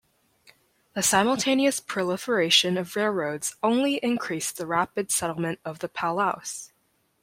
The simultaneous proliferation of railroads only increased the rapid settlement of the Palouse.